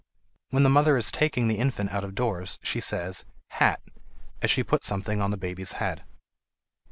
When the mother is taking the infant out of doors, she says "hat" as she puts something on the baby's head.